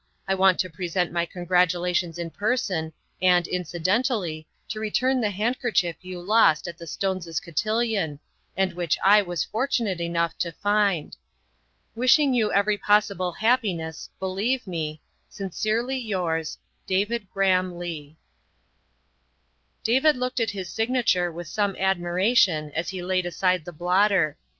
I want to present my congratulations in person and, incidentally, to return the handkerchief you lost at the Stones' cotillion and which I was fortunate enough to find. " Wishing you every possible happiness, believe me " Sincerely yours, " DAVID GBAIIAM LEIGH." David looked at his signature with some admiration as he laid aside the blotter.